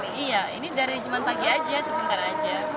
iya ini dari jumat pagi aja sebentar aja